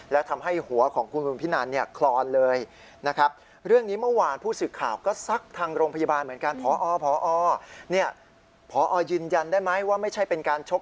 และทำให้หัวของคุณบุญพินันเนี่ยคลอนเลยนะครับ